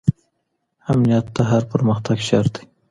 امنیت د هر پرمختګ شرط دی.